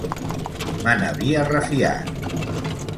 Me n'havia refiat!